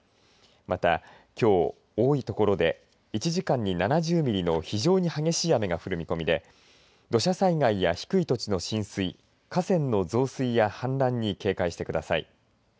また、きょう多い所で１時間に７０ミリの非常に激しい雨が降る見込みで土砂災害や低い土地の浸水河川の増水や氾濫に警戒してください。